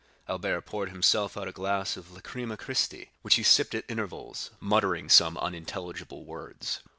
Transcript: Albert poured himself out a glass of lacryma Christi, which he sipped at intervals, muttering some unintelligible words.